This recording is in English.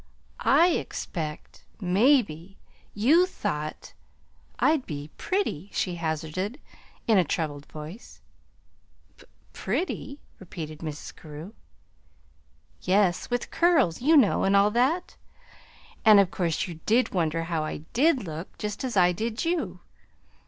"I expect maybe you thought I'd be pretty," she hazarded, in a troubled voice. "P pretty?" repeated Mrs. Carew. "Yes with curls, you know, and all that. And of course you did wonder how I DID look, just as I did you.